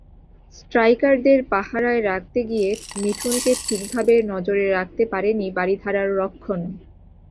স্ট্রাইকারদের পাহারায় রাখতে গিয়ে মিঠুনকে ঠিকভাবে নজরে রাখতে পারেনি বারিধারার রক্ষণ।